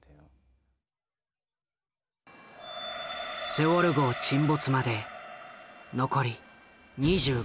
セウォル号沈没まで残り２５分。